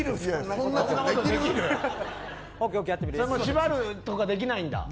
縛るとかできないんだ。